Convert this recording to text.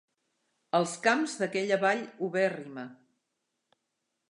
Els camps d'aquella vall ubèrrima.